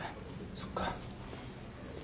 そっか。